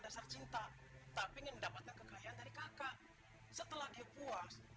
setelah dia puas